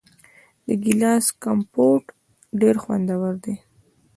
د ګیلاس کمپوټ ډیر خوندور وي.